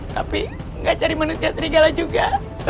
tapi nggak cari manusia serigala juga